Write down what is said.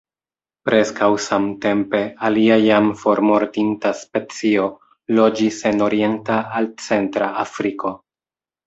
Preskaŭ samtempe, alia jam formortinta specio loĝis en orienta al centra Afriko.